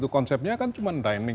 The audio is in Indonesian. konsepnya kan cuma dining